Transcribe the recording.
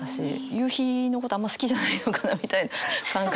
夕日のことあんま好きじゃないのかなみたいな感覚が。